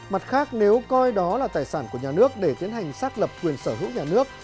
mặt khác nếu coi đó là tài sản của nhà nước để tiến hành xác lập quyền sở hữu nhà nước